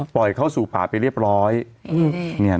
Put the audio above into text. เข้าสู่ผ่าไปเรียบร้อย